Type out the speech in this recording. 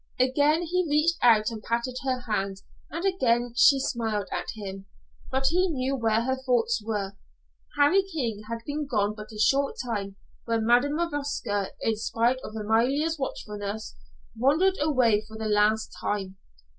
Again he reached out and patted her hand, and again she smiled at him, but he knew where her thoughts were. Harry King had been gone but a short time when Madam Manovska, in spite of Amalia's watchfulness, wandered away for the last time.